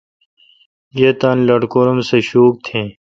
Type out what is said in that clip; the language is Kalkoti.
یی تانی لٹکورو ام سہ شوک تیں۔